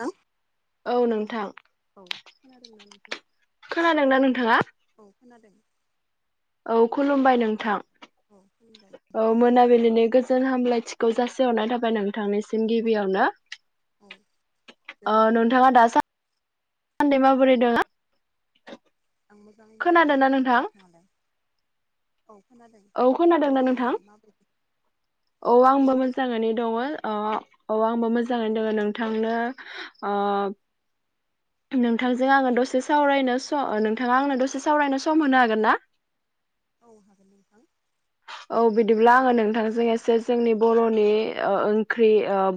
नोंथां औ नोंथां। औ खोनादोंना नोंथां खोनादोंना नोंथाङा औ खोनादों। औ खुलुमबाय नोंथां। औ खुलुमबाय। औ नोंथां मोनाबिलिनि गोजोन हामलायथिखौ जासिहरनाय थाबाय नोंथांनिसिम गिबियावनो। औ ओ गोजोन। नोंथाङा दासान्दि माबोरै दोङो। आं मोजाङैनो दङ नोंथां नोंथाङालाय औ खोनादों। औ खोनादोंना नोंथां नोंथाङालाय माबायदि औ आंबो मोनसे मोजाङानो दङ औ आंबो मोजाङै दङ नोंथांनो ओ नोंथांजों आङो दसे सावरायनो सम नोंथाङा आंनो दसे सावरायनो सम होनो हागोनना? औ हागोन नोंथां। औ बिदिब्ला आङो नोंथांजों एसे जोंनि बर'नि ओंख्रि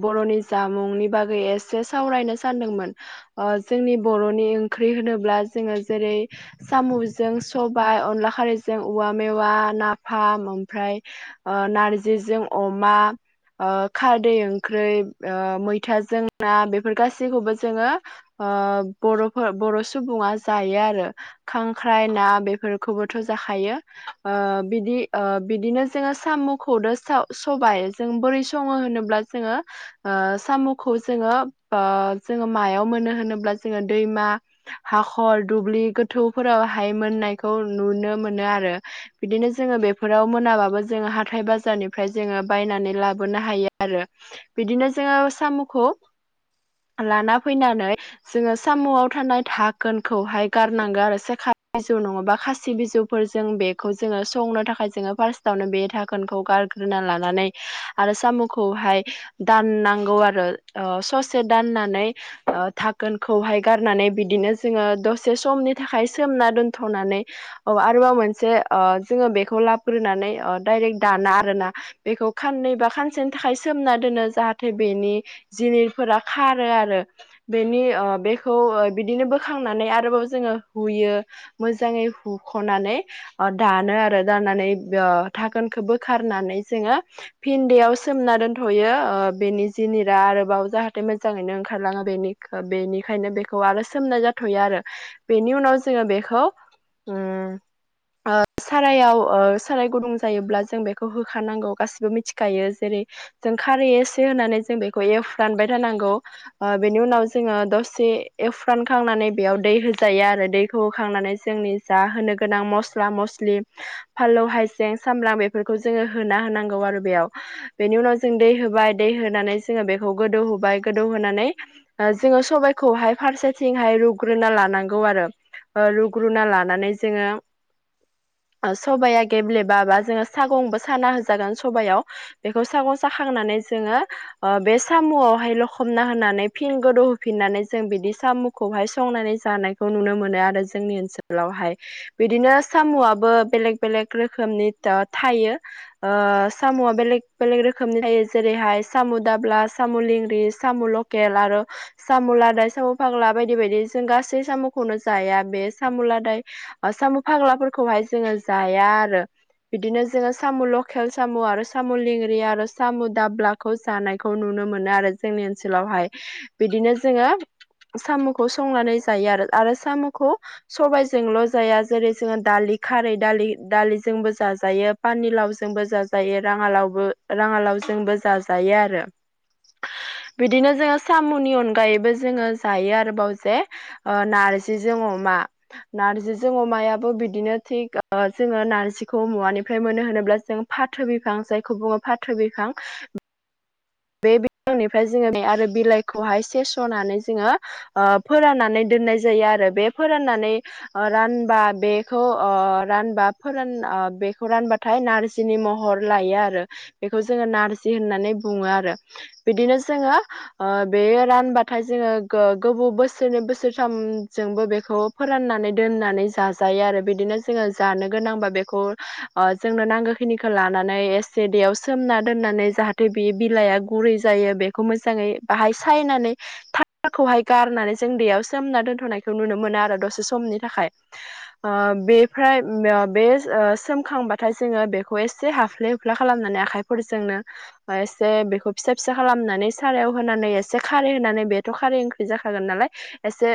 बर'नि जामुंनि बागै एसे सावरायनो सानदोंमोन। जोंनि औ बर'नि ओंख्रि होनोब्ला जोङो जेरै साम'जों सबाय, अनला खारैजों औवा मेवा, नाफाम ओमफ्राय नार्जिजों अमा। ओ खारदै ओंख्रि ओ मैथाजों ना बेफोर गासैखौबो जोङो। ओ बर'फोर बर' सुबुङा जायो आरो। खांख्राइ ना बेफोरखौबोथ' जाखायो औ बिदि बिदिनो। जोङो साम'खौनो सबाय जों बोरै सङो होनोब्ला जोङो ओ साम'खौ जोङो जोङो ओ मायाव मोनो होनोब्ला जोङो दैमा हाखर दुब्लि गोथौफोरावहाय मोननायखौ नुनो मोनो आरो। बिदिनो जोङो बेफोराव मोनाबाबो जोङो हाथाइ बाजारनिफ्राय जोङो बायनानै लाबोनो हायो आरो बिदिनो जोङो साम'खौ लाना फैनानै जोङो साम'आव थानाय धाकोनखौहाय गारनांगौ आरो सेखा बिजौ नङाबा खासि बिजौ फोरजों बेखौ जोङो संनो थाखाय जोङो फार्स्टआवनो बे धाकोनखौ गारग्रोना लानानै आरो साम'खौहाय दाननांगौ आरो ससे दाननानै ओ थाखोनखौहाय गारनानै बिदिनो जोङो दसे समनि थाखाय सोमना दोनथ'नानै औ आरोबाव मोनसे जोङो बेखौ लाग्रोनानै डाइरेक्ट दाना आरोना बेखौ खाननै बा खानसेनि थाखाय सोमना दोनो जाहाथे बेनि जिनिरफोरा खारो आरो बेनि बेखौ बिदिनो बोखांनानै आरोबाव जोङो हुयो मोजाङै हुख'नानै अ दा नो आरो दानानै ओ धाकोनखौ बोखारनानै जोङो भिन्देयाव सोमना दोनथ'यो ओ बेनि जिनिरा आरोबाव जाहाथे मोजाङैनो ओंखारलाङो बेनि बेनिखायनो बेखौ आरो सोमनाय जाथ'यो आरो बेनि उनाव जोङो बेखौ ओ सारायाव ओ साराय गुदुं जायोब्ला जों बेखौ होखानांगौ गासिबो मिथिखायो जेरै जों खारै एसे होनानै जों बेखौ एवफ्रामबाय थानांगौ ओ बेनि उनाव जोङो दसे एवफ्रामखांनानै बेयाव दै होजायो आरो दैखौ होखांनानै जोंनि जा होनो गोनां मस्ला म स्लि फालौ, हायजें, सामब्राम बेफोरखौ जोङो होना होनांगौ आरो बेयाव बेनि उनाव जों दै होबाय, दै होनानै जोङो बेखौ गोदौ होबाय गोदौहोनानै जोङो सबाइखौहाय फारसेथिंहाय रुग्रोना लानांगौ आरो रुग्रुना लानानै जोङो सबाया गेब्लेबाबा जोङो सागंबो साना होजागोन सबायाव बेखौ सागं जाखांनानै जोङो ओ बे साम'आवहाय लखबना होनानै फिन गोदौ होफिननानै जों बिदि साम' खौहाय संनानै जानायखौ नुनो मोनो आरो जोंनि ओनसोलावहाय बिदिनो साम' बो बेलेक बेलेक रोखोमनि थायो। ओ साम'आ बेलेग बेलेग रोखोमनि थायो जेरैहाय साम' दाब्ला, साम' लेंग्रि, साम' ल केल आरो साम' लादाय, साम' फाग्ला बायदि बायदि जों गासै साम'खौनो जाया बे साम' लादाय साम' फाग्लाफोरखौहाय जोङो जाया। आरो बिदिनो जोङो साम' लकेल, साम' आरो साम' लेंग्रि आरो साम' दाब्ला खौ जानायखौ नुनो मोनो आरो जोंनि ओनसोलावहाय बिदिनो औ जोङो साम'खौ संनानै जायो आरो आरो साम'खौ सबबायजोंल' जाया जेरै जोङो दालि खारै, दालि दालिजोंबो जाजायो पानिलावजोंबो जाजायो राङालावबो राङालावजोंबो जाजायो आरो बिदिनो जोङो साम'नि अनगायैबो जोङो जायो आरोबाव जे नार्जिजों अमा नार्जिजों अमायाबो बिदिनो थिग ओ जोङो नारजिखौ मुवानिफ्राय मोनो होनोब्ला जों फाथो बिफां जायखौ बुङो फा थो बिफां बे बिलाइनिफ्राय जोङो नै आरो बिलाइखौहाय सेेस'नानै जोङो ओ फोराननानै दोननाय जायो आरो बे फोराननानै ओ रानबा बेखौ ओ रानबा फोरान ओ बेखौ रानबा नाथाय नारजिनि महर लायो आरो बेखौ जोङो नारजि होननानै बुङो आरो। आरो बिदिनो जोङो ओ बेयो रानबाथाय जोङो गोबाव बोसोरनै बोसोरथामजोंबो बेखौ फोराननानै दोननानै जाजायो आरो बिदिनो जोङो जानो गोनांबा बेखौ। ओ जोंनो नांगौ खिनिखौ लानानै एसे दैेयाव सोमना दोननानै जाहाथे बे बिलाइआ गुरै जायो बेखौ मोजाङै बाहाय सायनानै। थाखाखौहाय गारनानै जों दैयाव सोमना दोनथ'नायखौ नुनो मोनो आरो दसे समनि थाखाय। ओ बे फ्राय बे सोमखांबाथाय जोङो बेखौ एसे हाफ्ले हुफ्ला खालामनानै आखाइफोरजोंनो। आ। जे बेखौ फिसा फिसा खालामनानै सारायाव होनानै एसे खारै होनानै बेथ' खारै ओंख्रि जाखागोन नालाय। एसे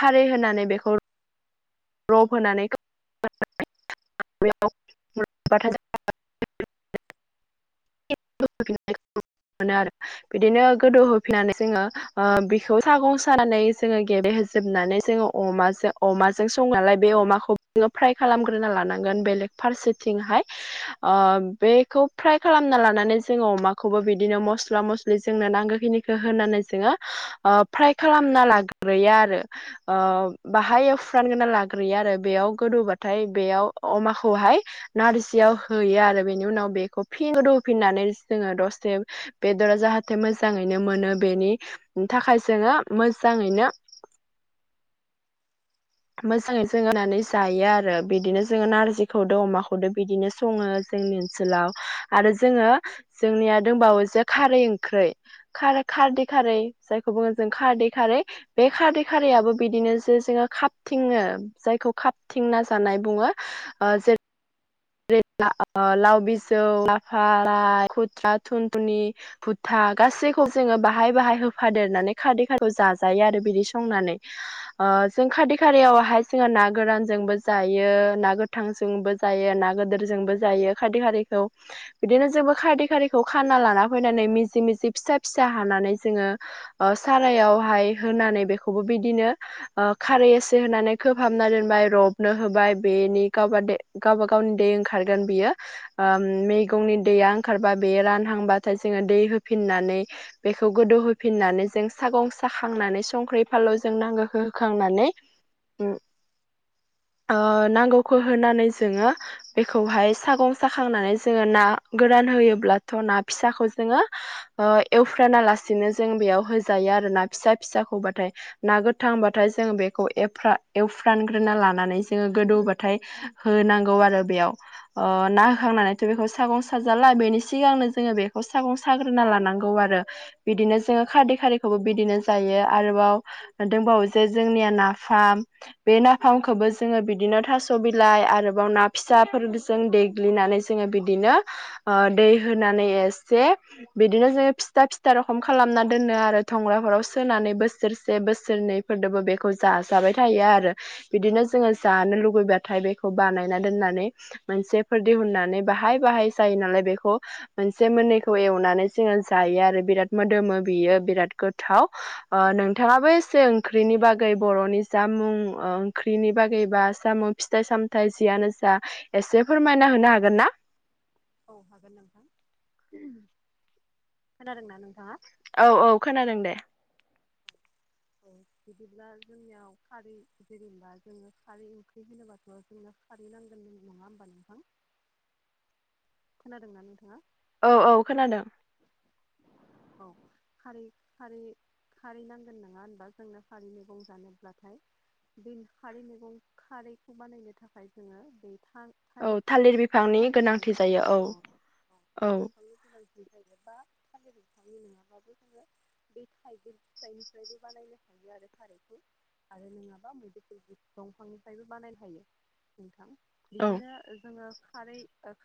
खारै होनानै बेखौ रब होनानै [inaudible] आरो‌ बिदिनो गोदौ होफिननानै जोङो ओ बिखौ सागं सानानै जोङो गेबेहोजोबनानै जोङो। अमाजो अमाजो जों संनायालाय बे अमाखौ फ्राय खालामग्रोना लानांगोन बेलेग फारसेथिंहाय। ओ बेखौ फ्राय खालामना लानानै जोङो अमाखौबो बिदिनो मस्ला मस्लि जोंनो नांगौखिनि होनानै जोङो ओ फ्राय खालामना लाग्रोयो आरो। ओ बाहाय फोरानग्रोना लाग्रोयो आरो बेयाव गोदौबाथाय बेयाव अमाखौहाय नारजियाव होयो आरो बेनि उनाव बेखौ फिन गोदौहोफिननानै जोङो दसे बेदरा जाहाथे मोजाङैनो मोनो बेनि थाखाय जोङो मोजाङैनो मोजाङै जों होनानै जायो आरो बिदिनो जोङो नारजिखौदो अमाखौदो बिदिनो सङो जोंनि ओनसोलाव आरो जोङो जोंनिया दंबावो जे खारै ओंख्रै खारै खारदै खारै जायखौ बुङो जों खारदै खारै बे खारदै खारैयाबबो बिदिनो जे जोङो खा थिङो जायखौ खाब थिंना जानाय बुङो ओ जे रै ला-लाव बिजौ लाफा खुथ्रा थुनथुनि। भुथा गासैखौ जोङो बाहाय बाहाय होफादेरनानै खारदै खाद' जाजायो आरो बिदि संनानै। ओ जों खादै खारियावहाय जोङो ना गोरानजोंबो जायो ना गोथांजोंबो जायो ना गोदोरजोंबो जायो। खारदै खारैखौ बिदिनो जोंबो खारदै खारदैखौ खाना लाना फैनानै मिजि मिजि फिसा फिसा हानानै जोङो ओ सारायावहाय होनानै बेखौबो बिदिनो खारै एसे जे होनानै खोबहाबना दोनबाय रबनो होबाय बेनि गावबा गावबा गावनि दै ओंखारगोन बियो। ओ मैगंनि दैया ओंखारबा बे रानहांबाथाय जोङो दै होफिननानै। बेखौ गोदौहोफिननानै जों सागं साखांनानै संख्रि फालौ जों नांगौखो होखांनानै। ओम ओ नांगौखौ होनानै जोङो। बेखौहाय सागं साखांनानै जोङो ना गोरान होयोब्लाथ' ना फिसाखौ जोङो। ओ एवफ्रामा लासिनो जों बेयाव होजायो आरोना फिसा फिसाखौबाथाय। ना गोथांबाथाय जों बेखौ एफ फ्रा एवफ्रानग्रोना लानानै जोङो गोदौबाथाय होनांगौ आरो बेयाव ओ ना होखांनानैथ' बेखौ सागं साजाला बेनि सिगांनो जोङो बेखौ सागं खाग्रोना लानांगौ आरो। बिदिनो जोङो खारदै खारैखौबो बिदिनो जायो आरोबाव दंबावो जे जोंनिया ना फाम बे नाफामखौबो जोङो बिदिनो थास' बिलाइ आरोबाव ना फिसाफोरजों देग्लिनानै जोङो बिदिनो ओ दै होनानै एसे बिदिनो जोङो फिथा फिथा रखम खालामना दोनो आरो थंग्राफोराव सोनानै बोसोरसे बोसोरनै। फोरदोबो बेखौ जाजाबाय थायो आरो। बिदिनो जोङो जानो लुुबैबाथाय बेखौ बानायना दोननानै। मोनसेफोर दिहुननानै बाहाय बाहाय जायो नालाय बेखौ मोनसे मोननैखौ एवनानै जोङो जायो आरो बिराद मोदोमो बियो बिराद गोथाव नोंथाङाबो एसे ओंख्रिनि बागै बागै बर'नि जामुं ओंख्रिनि बागै बा जामुं फिथाइ सामथायाइ जियानो जा एसे फोरमायना होनो हागोन ना औ हागोन नोंथां खोनादोंना नोंथाङा औ औ खोनादों दे औ बिदिब्ला जोंनियाव खारै जेनेबा जोङो खारै ओंख्रि होनोबाथ' जोङो खारै नांगोन नङा होमबा नोंथां खोनादों ना नोंथाङा औ औ खोनादों औ खारै खारै खारै नांगोन नङा होनबा जोंनो खारै मैगं जानोब्लाथाय बे खारै मैगं खारैखौ बानायनो थाखाय जोङो दैथा औ थालिर बिफांनि थालिर गोनांथि दंफां जायो अ औ औ थालिर बिफांनि गोनां फ्राय बा थालिर थांनो नङाबाबो जोङो [inaudible] बै थायगिर फिथाइनिफ्रायबो बानायनो हायो आरो खारैयखौ आरो नङाबा मैदेरफोर दंफांनिफ्रायबो बानायनो हायो नोंथां औ बिदिनो जोङो खारै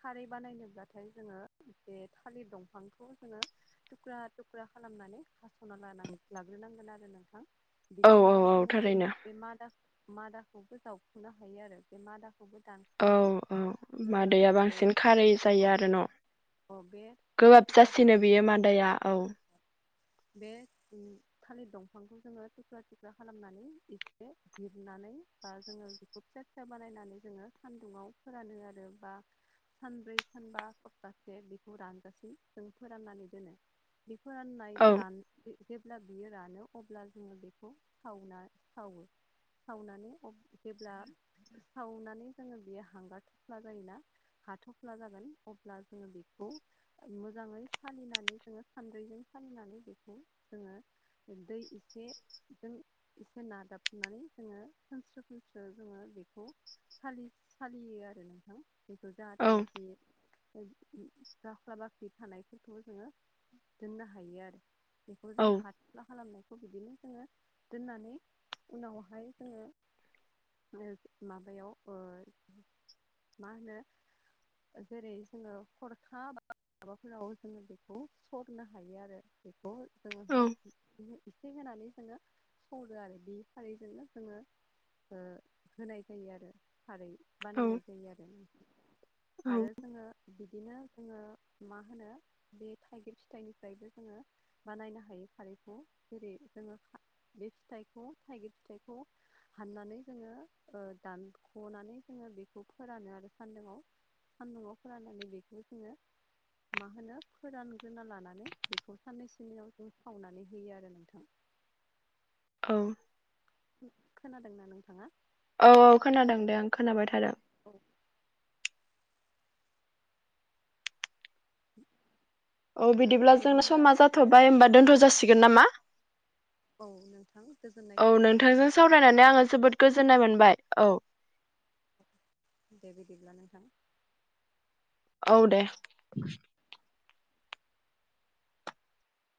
खारै बानायनोब्लाथाय जोङो बे खालि दंफांखौ जोङो थुख्रा थुख्रा खालामनानै हास'ना ल लाग्रोनांगोन आरो नोंथां औ बिनि औ उनाव औ सोङो थारैनो बे मादा मादाखौबो जावखुनो हायो आरो बे मादाखौबो दान औ औ मादैया बांसिन खारै औ जायो आरो न' औ बे थुख्रा गोबाब थुख्रा जासिनो खालामना बेयो मादाया औ बे थालिर दंफांखौ जोङो थुख्रा थुख्रा खालामनानै हिरनानै बा जोङो बेखौ फिसा फिसा बानायनानै जोङो सान्दुंङाव फोरानो आरो बा सानब्रै सानबा सप्तासे बेखौ रान गासै जों फोराननानै दोनो बे फोराननाय औ रान जेब्ला बियो रानो अब्ला जोङो बेखौ सावना सावो सावनानै जेब्ला सावनानै जोङो बेयो हांगार थफ्ला जायोना हाथ'फ्ला जागोन अब्ला जोङो बेखौ मोजाङै सालिनानै जोङो सान्द्रैजों सालिनानै बेखौ जोङो दै एसे जों एसे नादाबनानै जोङो खोनस्रो खोनस्रो जोङो बेखौ सालियो आरो नोंथां बेखौ औ जाहाथे बे जास्लाबा बे थानायफोरखौबो जोङो दोननो हायो आरो बेखौ जों औ हाथ्ला खालामनाय बिदिनो जोङो दोननानै उनावहाय जोङो माबायाव मा होनो जेरै जोङो खरखा बा माबाफोराव जोङो बेखौ सरनो हायो आरो बेखौ जोङो औ एसे होनानै जोङो सौरो आरो बे खारैजोंनो जोङो होनाय जायो आरो खारै औ बानायनाय जायो आरो औ आरो जोङो बिदिनो जोङो मा होनो बे थाइगिर फिथाइनिफ्रायबो जोङो बानायनायनो हायो खारैखौ जेरै जोङो बे फिथाइखौ थाइगिर फिथाइखौ हाननानै जोङो दानख'नानै जोङो बेखौ फोरानो आरो सान्दाव साम न'आव फोराननानै बेखौबो जोङो मा होनो फोरानग्रोना लानानै बेखौ साननैसोनियाव जों सावनानै होयो आरो नोंथां औ खोनादों ना नोंथाङा औ औ खोनादों दे आं खोनाबाय थादों। औ [unintelligible] औ बिदिब्ला जोंनो समा जाथ'बाय होनबा दोन्थ' जासिगोन नामा। औ नोंथां गोजोननाय औ थाबाय नोंथांजों नोंथां। [inaudible] सावरायनानै आङो जोबोद गोजोननाय मोनबाय। औ दे बिदिब्ला नोंथां। औ दे।